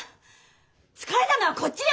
疲れたのはこっちよ！